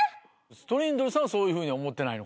トリンドルさんはそういうふうに思ってないのかな？